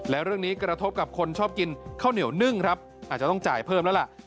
แล้วเรื่องนี้กระทบกับคนชอบกินข้าวเหนียวนึ่งครับอาจจะต้องจ่ายเพิ่มแล้วล่ะ